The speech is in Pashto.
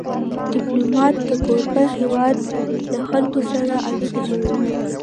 ډيپلومات د کوربه هېواد له خلکو سره اړیکې جوړوي.